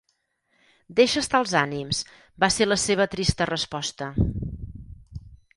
"Deixa estar els ànims", -va ser la seva trista resposta.